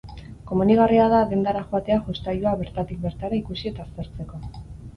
Komenigarria da dendara joatea jostailua bertatik bertara ikusi eta aztertzeko.